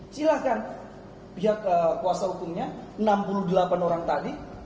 silahkan pihak kuasa hukumnya enam puluh delapan orang tadi